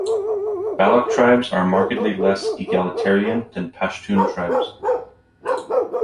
Baloch tribes are markedly less egalitarian than Pashtun tribes.